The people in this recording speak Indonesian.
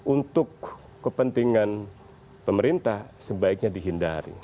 untuk kepentingan pemerintah sebaiknya dihindari